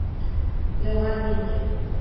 Yog’ar menga